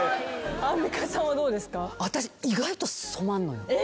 アンミカさんはどうですか？